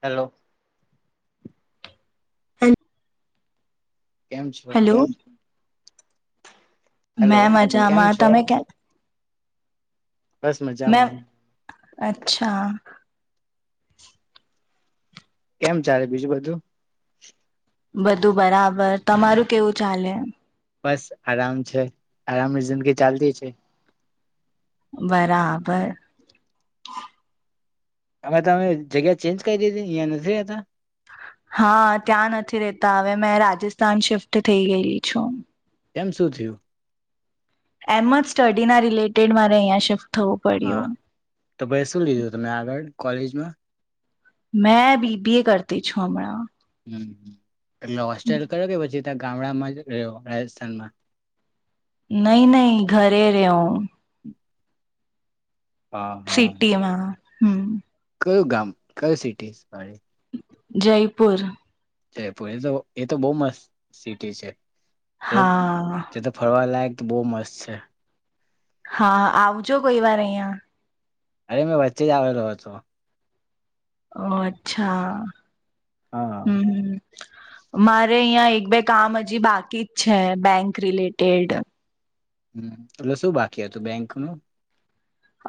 Hello. હૈ કેમ છો? હેલો મેં કેમ મજામાં છો તમે કેક બસ મૈ મજામાં અચ્છા. કેમ ચાલે બીજું બધું? બધું બરાબર. તમારું કેવું ચાલે? બસ આરામ છે. આરામની જિંદગી ચાલતી છે. બરાબર. એમાં તમે જગ્યા ચેન્જ કરી દીધી. અહીં નથી રહેતા? હા, ત્યાં નથી રેતા હવે મેં રાજસ્થાન શિફ્ટ થઈ ગયેલી છું. કેમ શું થયું એમ જ સ્ટડી ના રિલેટ ટેડ મારે અહીંયા શિફ્ હા, તો પાઈ શું લીધું તમે આગળ? કોલેજમાં? મેં બી બી એ કરતી છું હમણાં. હમ્મ, હમ્મ. તમને હોસ્ટાઈ કયા કે પછી તા ગામડામાં જ રહ્યો રાજસ્થાનમાં. નહી નહી ઘરે રેહું. હા હા સિટી માં. હમ્મ. કયું ગામ? કયું સિટી વાળી? જયપુર. જયપુર એ તો, એ તો બહુ મસ્ત સિટી છે. તે, હા તે તો ફરવા લાયક બહુ મસ્ત છે. હા, આવજો કોઈ વાર અહિયાં. અરે મેં વચ્ચે જ આવેલો હતો. ઓ અચ્છા. હા. હમ મારે અહિયાં એક બે કામ હજી બાકી જ છે બેંક રિલેટેડ. હમ્મ, એટલે શું બાકી હતું બેંકનું?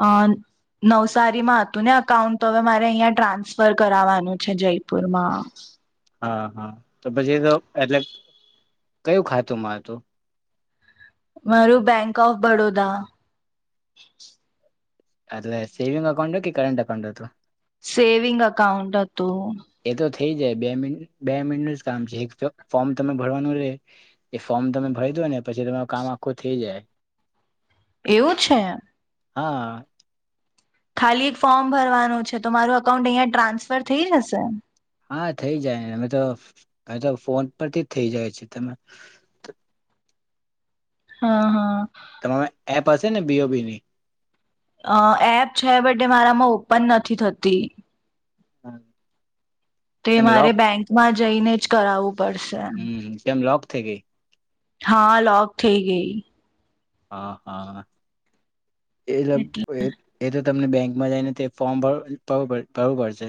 અહ નવસારીમાં હતું ને અકાઉન્ટ તો હવે મારે અહં ટ્રાન્સફર કરાવવાનું છે જયપુરમાં. હા હા તો પછી તો એટલે કયું ખાતું મા હતું? મારું બેંક ઓફ બડોદા. એટલે સેવિંગ અકાઉન્ટ કે કરેન્ટ અકાઉન્ટ હતું? સેવિંગ અકાઉન્ટ હ તું. એ તો થઈ જાય બે મિન બે મિનટનું જ કામ છે એક ફોર્મ તમે ભરવાનું રે એ ફોર્મ તમે ભરી દો પછી તમાર કામ આખું થઈ જાય એવું છે હા ખાલી એક ફોર્મ ભરવાનું છે તો મારું અકાઉન્ટ અહિયાં ટ્રાન્સફર થઈ જશે હા થઈ જાયને અમે તો એ તો ફોન પરથી જ થઈ જાય છે તમે હા, હા. તમારે એપ હશે ને, બી. ઓ. બી. ની? અ એપ છે, બટ એ મારામાં ઓપન નથી થતી. હા. તે મારે બેંકમાં જઈને જ કરાવવું પડશે હમ કેમ લોક થઈ ગઈ. હા, લોક થઈ ગઈ. હા, હા. એટલે [inaudible] તમને બેંકમાં જઈને તે ફોર્મ ભું ભરવું પડશે,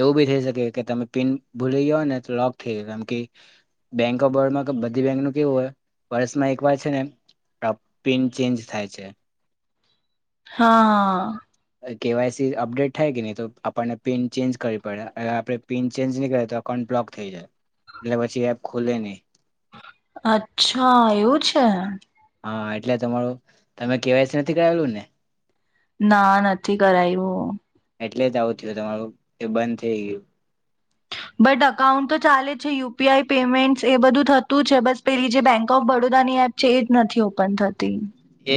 એવું બી થઈ શકે. કે તમે પિન ભૂલી ગયો ને, તો લોક થઈ ગયો. કે બેંક ઓફ બરોડમાં, બધી બેંક નું કેવું હોય, વર્ષમાં એક વાર છે ને? તો પિન ચેન્જ થાય છે? હા, હા. કેવાયસી અપડેટ થાય કે નહીં? તો આપણને પિન ચેન્જ કરવી પડે. આપણે પિન ચેન્જ નહીં કરે, તો એકાઉન્ટ બ્લોક થઈ જાય. એટલે પછી એપ ખુલે નહીં. અચ્છા એવું છે. હા, એટલે તમારું તમે કેવાયસી નથી કરાવલું ને? ના, નથી કરાયું. એટલે જ આવતી હો, તમારું એ બંધ થઈ ગયું. બટ અકાઉન્ટ તો ચાલે જ છે યુ પી આઈ પેમેન્ટ એ બધું થતું છે બસ પેલી જે બેંક ઓફ બરોડાની એપ છે એ જ નથી ઓપન થતી.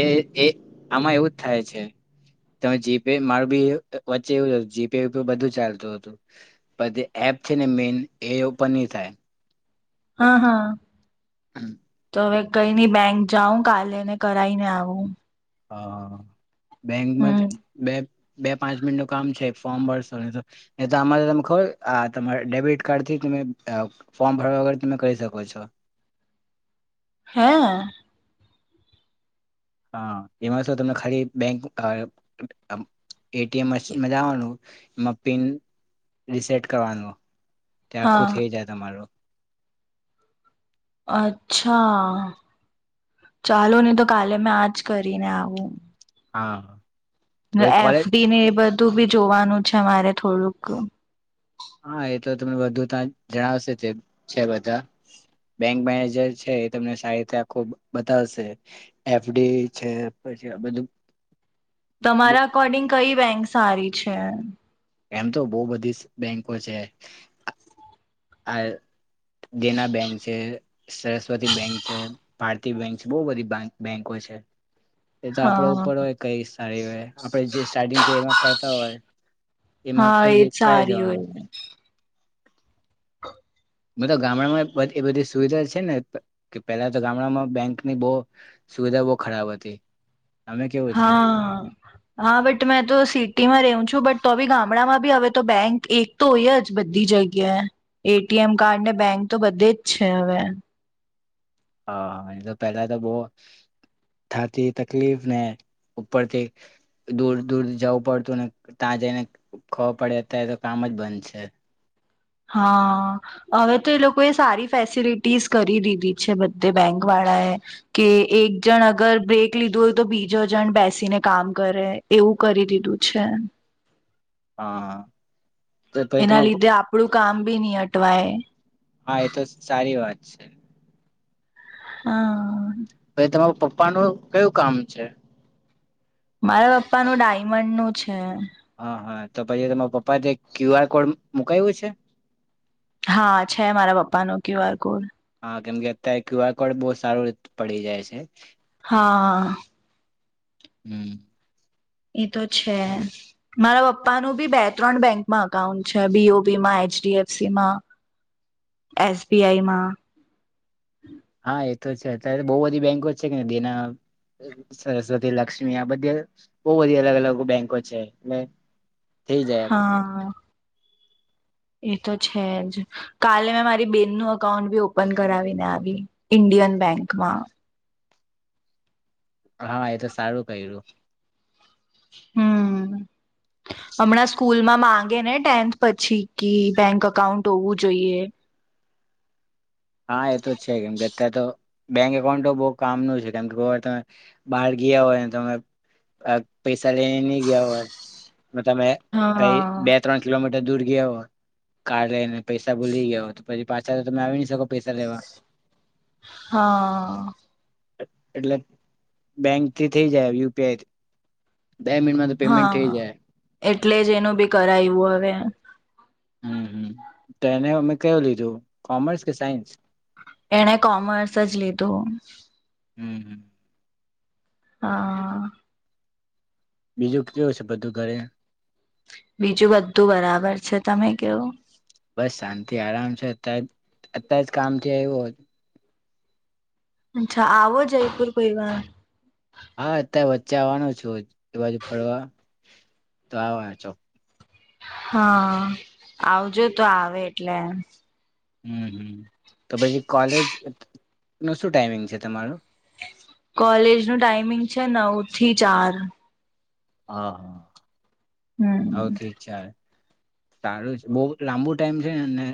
એ એ આમાં એવું જ થાય છે, તમે જીપે મારું બી વચ્ચે એવું જીપે બધું ચાલતું હતું, પણ જે એપ છે ને મેન એ ઓપન નહીં થાય. હા હા. હમ. તો હવે કઈ નહીં બેંક જાઉં કાલે ને કરાઈને આવું. હા. બેંકમાં હમ બે બે- પાંચ મિનિટ નું કામ છે ફોર્મ ભરશો ન તો ન તો આરે તમે ખ આ તમારા ડેબિટ કાર્ડ થી તમે ફોર્મ ભરવા વગર તમે કરી શકો છો. હા. હા એમાં શું તમને ખાલી bank A T M machine જવાનું, એમાં પિન રિસેટ કરવાનું. તે હા આખું થઈ જાય તમારું. અચ્છા, ચાલો નહીં તો કાલે મેં આજ કરીને આવું. હા. તો એફ કોલેજ ડી ને એ બધું બધું બી જોવાનું છે મારે થોડુંક. હા એ તો તમને વધુ ત્યાં જણાવશે તે છે બધા. [inaudible] એક મેનેજર છે એ તમને સારી રીતે આખું બતાવશે, એફડી છે પછી બધું તમારા અકોર્ડિંગ કઈ બેંક સારી છે? એમ તો બહુ બધી બેંકો છે. આ દેના બેંક છે, સરસ્વતી બેંક છે, ભારતી બેંક છે બહુ બધી બેંકો છે. એ તો આપડો હા ઉપર હોય કંઈશ. સારી હોય એ. આપણે જે સ્ટાર્ટિંગ એમાં કરતા હોય, એમાં હા કરી એજ સારી દેવાનું. હોય બ ગામડામાં એ બધી સુવિધા છે ને કે પેલા તો ગામડામાં બેંકની બહ, સુવિધા બહ ખરાબ હતી. અમે કેવું છે હા હા બટ મેં તો સિટીમાં રું છું બટ તો ગામડામાં બી હવે તો બેંક એક તો હોય જ બધી જગ્યાએ, એ ટી એમ કાર્ડ ને બેંક તો બધે જ છે હવે. હા હા એ તો પેલા તો બહ, થાતી તકલીફ ને ઉપરથી દૂર દૂર જવું પડતું ને ત્યાં જઈને ખબર પડે અત્યારે તો કામ જ બંધ છે. હા હવે તો એ લોકોએ સારી ફેસિલિટીસ કરી દીધી છે બધે બેંક વાળાએ, કે એક જણ અગર બ્રેક લીધું હોય તો બીજો જણ બેસીને કામ કરે એવું કરી દીધું છે. હા. તો પછી એના તમાર લીધે આપડું કામ બી નહી અટ ટવાય. હા એ તો સારી વાત છે. હા. ભ તમાર પપ્પા ન કયું કામ છે? મારા પપ્પા નું ડાયમંડ નું છે. હા હા તો પછી તમારા પપ્પા ક્યુ આર કોડ મુકાયું છે? હા છે મારા પપ્પા નો ક્યુ આર કોડ. કેમ કે અત્યારે ક્યુઆર કોડ બહ સારું રીતે પડી જાય છે. હા. હમ. એ તો છે, મારા પપ્પાનું બી બે ત્રણ બેંકમાં અકાઉન્ટ છે, બી ઓ બી માં, એચ ડી એફ સી માં, એસ બી આઈ માં હા એતો છે, અત્યારે તો બો બધી બેંકો છે કે ની દેના, સરસ્વતી, લક્ષ્મી આ બધી અવ બો બધી અલગ અલગો બેંકો છે એટલે થઈ જાય હાં. એ તો છે જ કાલે અમારી બેનનું અકાઉન્ટ બી ઓપન કરાવીને આવી ઈન્ડિયન બેંકમાં હા, એ તો સારું કયરુ. હમ્મ. અમણાં સ્કૂલમાં માંગે ને ટેન્થ પછી કે બેંક અકાઉન્ટ ઓવું જોઈએ હા એ તો છે કેમ કે અત્યાર તો બેંક એકાઉન્ટો બો કામનું છે કેમ કે કો વાર તમે બ્હાર ગીયા હોયને તમે અ પૈસા લેઈ ની ગ્યા હોય મે તમે કંઈ હા બે ત્રણ કિલોમીટ દૂર ગીયા હો કાર લેઈને પૈસા ભૂલી ગયા હો તો પછી પાછા તમે આવી ની શકો પૈસા લેવા હાં. એટલે બેંકથી થેઇ જાય યુ પી આઈ થી બે મિનિટમાં તો પેમેન્ટ હા થેઈ જાય એટલે જ એનું બી કરાયવું અવે હમ્મ, હમ્મ તો એને અમેં કેયું લીધું કોમર્સ કે સાયન્સ? એણે કોમર્સ જ લીધું. હમ્મ, હમ્મ. હાં. બીજું કેવું છે બધું ઘરે? બીજું બધું બરાબર છે તમે કેવું [inaudible] આરામ છે અત્યાર અત્યારે જ કામથી આઇવો અચ્છા આવો જયપુર કોઈ વાર હા અત્યારે વચ્ચે આવવાનું છું જ એ બાજુ ફરવા તો આવા ચોક્કસ હા આવજો તો આવે એટલે. હમ્મ હમ્મ તો પછી કોલેજ નું શું ટાઈમિંગ છે તમારું. કોલેજનું ટાઈમિંગ છે નવ થી ચાર. હ. હમ નવ થી ચાર સારું છે બહુ લાંબુ ટાઈમ છે અને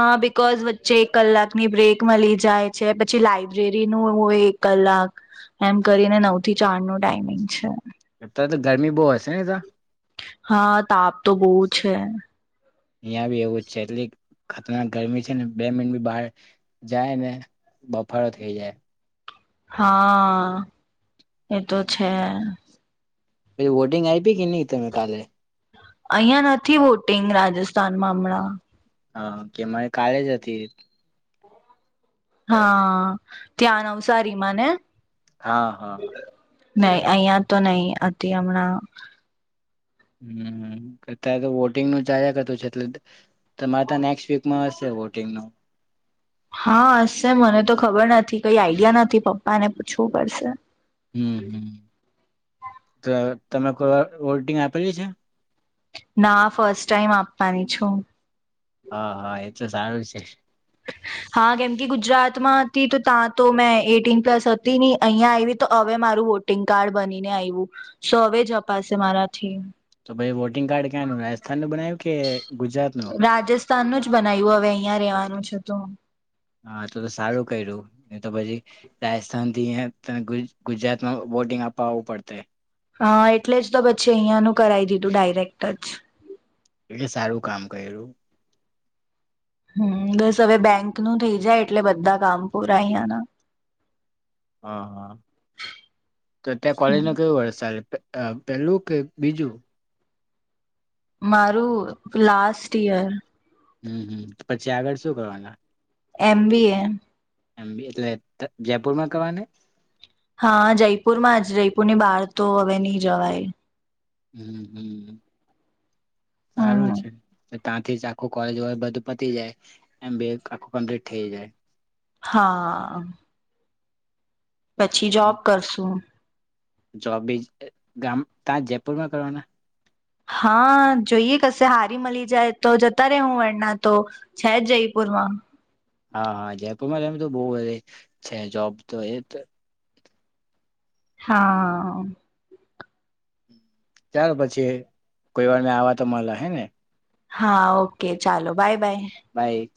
હા બિકોઝ વચ્ચે એક કલાકની બ્રેક મળી જાય છે પછી લાઈબ્રેરી નું હોય એક કલાક એમ કરીને નવ થી ચાર નું ટાઈમિંગ છે. અત્યારે તો ગરમી બહુ હશે ને તો હા તાપ તો બહુ જ છે. અહીંયા બી એવું જ છે એટલી ખતરનાક ગરમી છે ને બે મિનટ બી બહાર જાય ને બફારો થઈ જાય. હા એતો છે. તે વોટિંગ આઈપી કે નહીં તમે કાલે? અહિયા નથી વોટિંગ રાજસ્થાનમાં હમણાં. હા કે મારે કાલે જ હતી. હા ત્યાં ન નવસારીમાંને. હા, હા. નહીં અહિયાં તો નહીં અતી હમણાં હમ્મ. અત્યારે તો વોટિંગ નું ચાલ્યા કરતું છે એટલે તમારે ત્યા નેક્સ્ટ વીકમાં હશે વોટિંગ નું. હા હશે મને તો ખબર નથી, કઈ આઈડિયા નથી પપ્પા ને પૂછવું પડશે. હમ્મ-હમ્મ. તો તમે કો વોટિંગ આપેલી છે? ના, ફર્સ્ટ ટાઈમ આપવાની છું. હા, હા એ તો સારું છે. હા કેમ કે ગુજરાતમાં હતી તો ત્યાં તો મેં એટીન પ્લસ હતી નહીં, અહિયાં આવી તો હવે મારું વોટિંગ કાર્ડ બનીને આયવું, સો હવે જ અપાશે મારાથી. પહી વોટિંગ કાર્ડ ક્યાનું રાજસ્થાન નું બનાયવું કે ગુજરાત નું? સ્થાન નું જ બનાયવું હવે અહિયાં રહેવાનું છે તો. નહિં તો પછી રાજસ્થાન થી અહ ત [unintelligible] ગુજરાતમાં વોટિંગ આપવા આવું પડતે. હા એટલે જ તો પછી અહિયાનું કરાઈ દીધું ડાયરેક્ટ જ. એટલે સારું કામ કયરું. હમ્મ, બસ હવે બેંક નું થઇ જાય એટલે બધા કામ પૂરા અહિયાંના-. હા, હા. તો ત્યાં કોલેજ હમ નો કયો વર્ષ ચાલે? પેલું કે બીજું? મારું લાસ્ટ યર. હમ્મ-હમ્મ, પછી આગળ શું કરવાના? એમ બી એ. એમ બી એ એટલે ત જયપુરમાં કરવાની? હા જયપુર માં જ. જયપુરની બહાર તો હવે નહી જવાય. હમ્મ-હમ્મ સારું હમ છે. તો ત્યાંથી જ આખું કોલેજ વોલેજ બધું પતી જાય, એમ બી એ આખું કમ્પ્લીટ થઇ જાય. હા. પછી જોબ કરશું. જોબ બી જ ગામ તા જયપુરમાં કરવાના? હા, જોઈએ કશે હારી મલી જાય તો જતા રેહું એના તો, છે જ જયપુરમાં. હા, હા જયપુરમાં એમ તો બહું બધી છે જોબ તો એ તો હા. ચાલ પછી, કોઈ વાર મે આવા તો મલે હે ને. હા ઓકે ચાલો, બાય-બાય. બાય.